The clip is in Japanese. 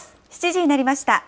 ７時になりました。